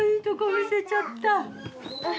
見せちゃった。